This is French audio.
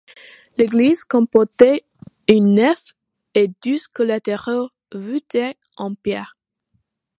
L'église comportait une nef et deux collatéraux voûtés en pierre.